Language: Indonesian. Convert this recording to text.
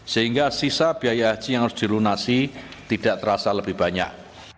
sehingga sisa biaya haji yang harus dilunasi tidak terasa lebih banyak